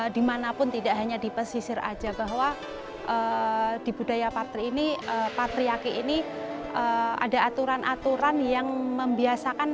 dimanapun tidak hanya di pesisir saja bahwa di budaya patri ini patriaki ini ada aturan aturan yang membiasakan